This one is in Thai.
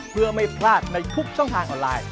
เพื่อไม่พลาดในทุกช่องทางออนไลน์